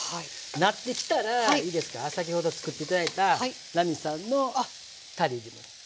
なってきたらいいですか先ほど作って頂いた奈実さんのたれ入れていく。